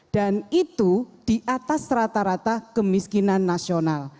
dan itu di atas rata rata kemiskinan nasional